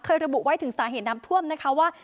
ระบุไว้ถึงสาเหตุน้ำท่วมนะคะว่า